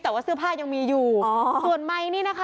แต่ว่าเสื้อผ้ายังมีอยู่อ๋อส่วนไมค์นี่นะคะ